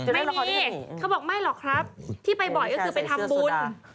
ไม่มีเขาบอกไม่หรอกครับที่ไปบ่อยก็คือไปทำบุญ